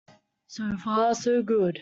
So far so good.